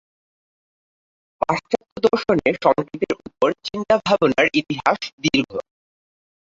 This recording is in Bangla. পাশ্চাত্য দর্শনে সংকেতের উপর চিন্তাভাবনার ইতিহাস দীর্ঘ।